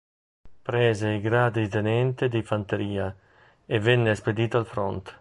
Prese i gradi di tenente di fanteria e venne spedito al fronte.